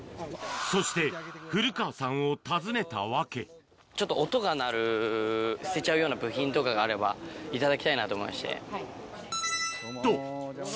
そして、ちょっと音が鳴る、捨てちゃうような部品とかがあれば頂きたいなと思いまして。